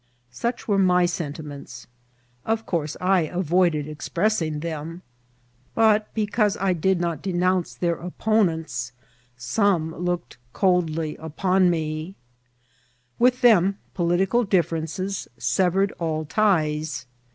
8uch were my sentiments ; of course I avoided ex pressing them ; but because I did not denounce their Vol. I.— Qq tO0 IMCIDBNT8 OP TEATBL. opponents, some k>oked coldly upon me. With them political diffiarences severed all ties.